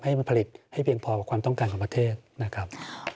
ให้มันผลิตให้เพียงพอกับความต้องการของประเทศนะครับ